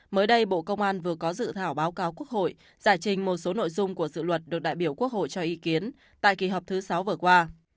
mới đây bộ công an vừa có dự thảo báo cáo quốc hội giải trình một số nội dung của dự luật được đại biểu quốc hội cho ý kiến tại kỳ họp thứ sáu vừa qua